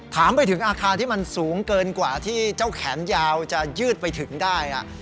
ถามไปถึงอาคารที่มันสูงเกินกว่าที่เจ้าแขนยาวจะยืดไปถึงได้